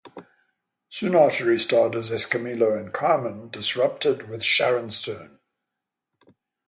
Soon after he starred as Escamillo in Carmen Disrupted with Sharon Stone.